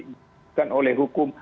dikan oleh hukum